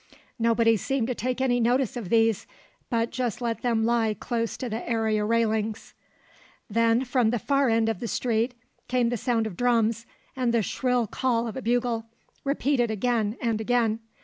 Nobody seemed to take any notice of these, but just let them lie close to the area railings. Then from the far end of the street came the sound of drums and the shrill call of a bugle, repeated again and again.